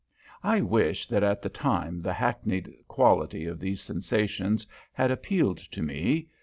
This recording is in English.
I wish that at the time the hackneyed quality of these sensations had appealed to me.